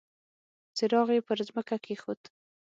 څراغ يې پر ځمکه کېښود.